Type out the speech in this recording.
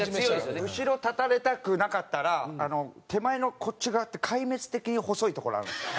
後ろ立たれたくなかったら手前のこっち側って壊滅的に細い所あるんですよ。